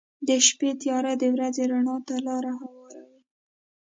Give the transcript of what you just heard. • د شپې تیاره د ورځې رڼا ته لاره هواروي.